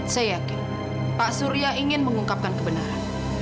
saya yakin pak surya ingin mengungkapkan kebenaran